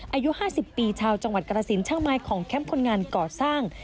อายุ๕๐ปีชาวจังหวัดกรสินช่างไม้ของแคมป์คนงานก่อสร้าง